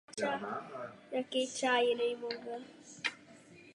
Jan byl během svého poměrně dlouhého života celkem čtyřikrát ženat.